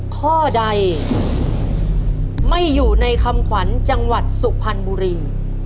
ข้อใดไม่อยู่ในคำขวัญจังหวัดสุพรรณบุรี